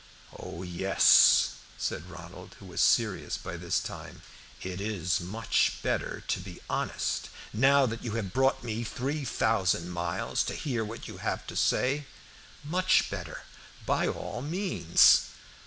"Oh, yes," said Ronald, who was serious by this time; "it is much better to be honest, now that you have brought me three thousand miles to hear what you have to say much better. By all means."